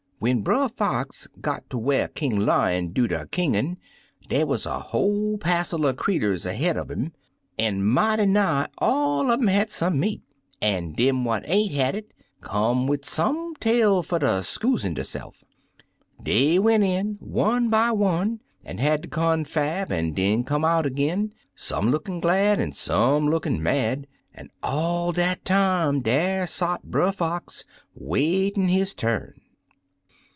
When Brer Fox got ter whar King Lion do de kingin', dey wuz a whole passel er creeturs ahead un 'im, an' mighty nigh all un um had some meaty an' dem what ain't had it, come wid some tale fer ter skusen deyse'f. Dey went in, one by one, an' had der confab, an' den come out ag'in, some lookin' glad an' some lookin' mad; an' all dat time dar sot Brer Fox waitin' his turn.